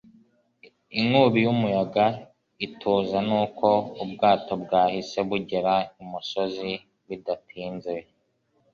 inkubi y'umuyaga ituza, n'uko ubwato bwahise bugera imusozi bidatinze: